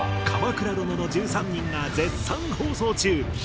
「鎌倉殿の１３人」が絶賛放送中！